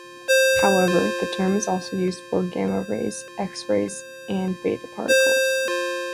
However, the term is also used for gamma rays, X-rays and beta particles.